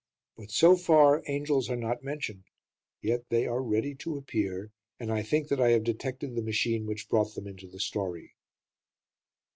But so far angels are not mentioned; yet they are ready to appear, and I think that I have detected the machine which brought them into the story.